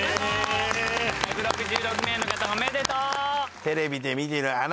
１６６名の方おめでとう！